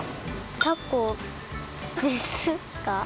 たこですか？